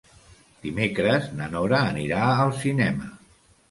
Dimecres na Nora anirà al cinema.